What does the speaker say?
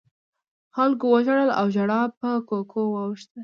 خلکو وژړل او ژړا په کوکو واوښته.